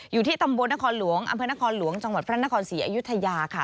อยู่ที่ตำบลนครหลวงอำเภอนครหลวงจังหวัดพระนครศรีอยุธยาค่ะ